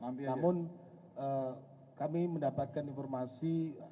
namun kami mendapatkan informasi